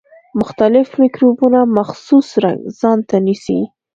مختلف مکروبونه مخصوص رنګ ځانته نیسي.